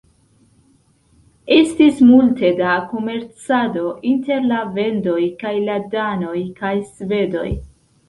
Estis multe da komercado inter la vendoj kaj la danoj kaj svedoj.